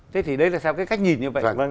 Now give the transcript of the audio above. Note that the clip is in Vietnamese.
thế thì đấy là sao cái cách nhìn như vậy